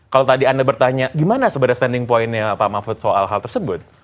kalau tadi anda bertanya gimana sebenarnya standing point nya pak mahfud soal hal tersebut